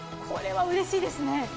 これはうれしいですね。